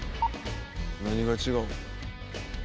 何が違う？